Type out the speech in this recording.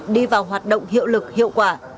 đi vào hoạt động hiệu lực hiệu quả